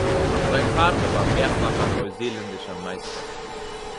Sein Vater war mehrfacher neuseeländischer Meister.